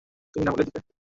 তুমি না বলে দিতে।